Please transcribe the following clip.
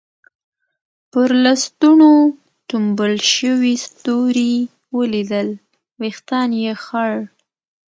پر لستوڼو ټومبل شوي ستوري ولیدل، وېښتان یې خړ.